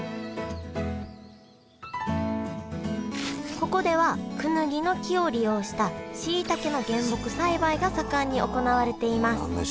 ここではクヌギの木を利用したしいたけの原木栽培が盛んに行われています。